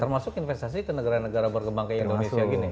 termasuk investasi ke negara negara berkembang ke indonesia gini